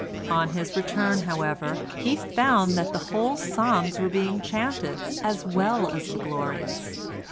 On his return, however, he found that the whole psalms were being chanted as well as the Glorias.